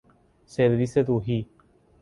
سرویس روحی